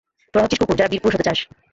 তোরা হচ্ছিস কুকুর, যারা বীরপুরুষ হতে চাস।